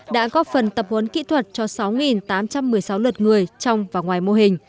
đã góp phần tập huấn kỹ thuật cho sáu tám trăm một mươi sáu lượt người trong và ngoài mô hình